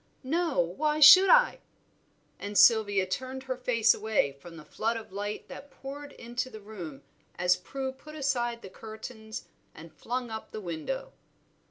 "No, why should I?" And Sylvia turned her face away from the flood of light that poured into the room as Prue put aside the curtains and flung up the window.